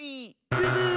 ブブー。